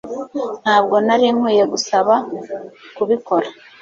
Ntabwo nari nkwiye kugusaba kubikora